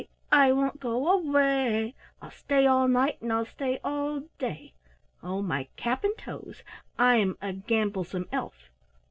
I won't go away! I'll stay all night, and I'll stay all day. Oh, my cap and toes! I'm a gamblesome elf.